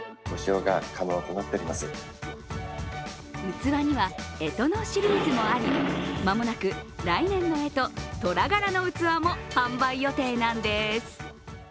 器には干支シリーズもあり、間もなく来年の干支、とら柄の器も販売予定なんです。